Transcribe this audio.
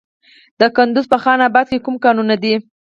د کندز په خان اباد کې کوم کانونه دي؟